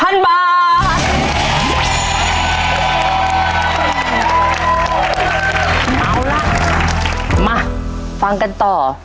เอาล่ะมาฟังกันต่อ